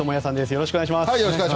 よろしくお願いします。